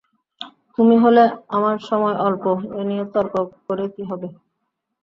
তুমি হলে– আমার সময় অল্প, এ নিয়ে তর্ক করে কী হবে?